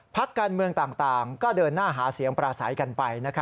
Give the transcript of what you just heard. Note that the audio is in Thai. พักการเมืองต่างก็เดินหน้าหาเสียงปราศัยกันไป